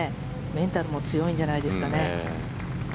メンタルも強いんじゃないですかね。